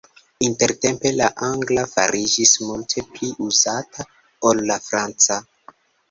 Intertempe la angla fariĝis multe pli uzata ol la franca.